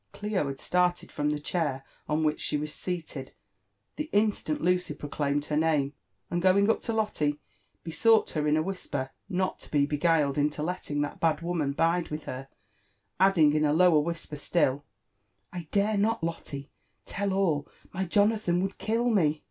Clio had started from the chair on which she was seated the in stant Lucy proclaimed her name, and going up to Lotte, besought her in a whisper not to be beguiled into letting that bad woman bide with her ; adding in a lower whisper still, I dare not, Lotte, tell all !— my Jonathan would kill me.